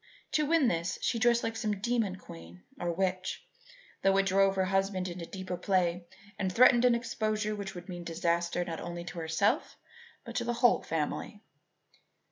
To win this, she dressed like some demon queen or witch, though it drove her husband into deeper play and threatened an exposure which would mean disaster not only to herself but to the whole family.